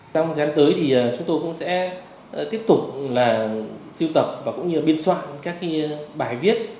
trong thời gian tới thì chúng tôi cũng sẽ tiếp tục là siêu tập và cũng như biên soạn các bài viết